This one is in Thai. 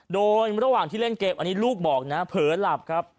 โดยระหว่างที่เล่นเกมอันนี้ลูกบอกนะเผลอหลับครับ